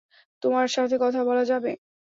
তোমার সাথে কথা বলা যাবে?